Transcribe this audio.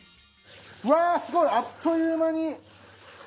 わぁすごいあっという間に！